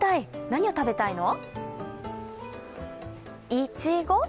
何を食べたいの？